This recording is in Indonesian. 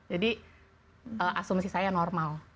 jadi asumsi saya normal